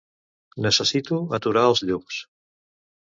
Necessito aturar els llums.